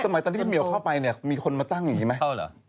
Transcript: ตอนที่คุณเหี่ยวเข้าไปเนี่ยมีคนมาตั้งอย่างนี้ไหม